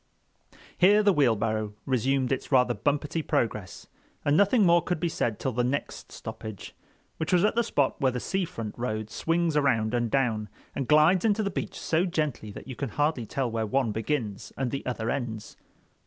Here the wheelbarrow resumed its rather bumpety progress, and nothing more could be said till the next stoppage, which was at that spot where the sea front road swings around and down, and glides into the beach so gently that you can hardly tell where one begins and the other ends.